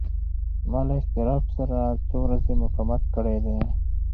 ما له اضطراب سره څو ورځې مقاومت کړی دی.